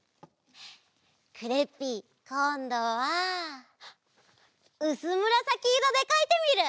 クレッピーこんどはうすむらさきいろでかいてみる！